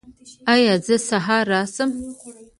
ایا زه سهار راشم؟